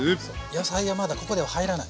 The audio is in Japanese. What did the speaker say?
野菜はまだここでは入らない。